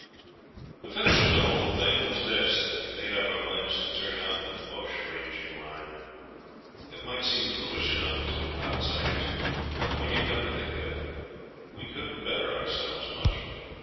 The finish of the whole thing was this, that we made up our minds to turn out in the bush ranging line. It might seem foolish enough to outsiders, but when you come to think of it we couldn't better ourselves much.